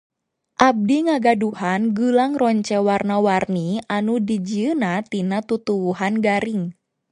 Abdi ngagaduhan geulang ronce warna-warni anu dijieunna tina tutuwuhan garing